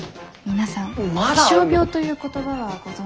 「皆さん気象病という言葉はご存じでしょうか？」。